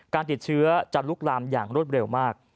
การติดเชื้อจะลุกลามอย่างรวดเร็วมาก